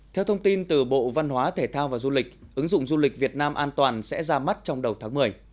theo thông tin từ bộ văn hóa thể thao và du lịch ứng dụng du lịch việt nam an toàn sẽ ra mắt trong đầu tháng một mươi